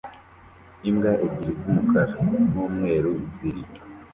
Imbwa ebyiri z'umukara n'umweru ziri